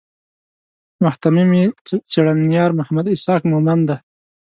مهتمم یې څېړنیار محمد اسحاق مومند دی.